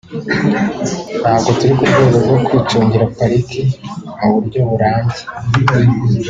ntabwo turi ku rwego rwo kwicungira pariki mu buryo burambye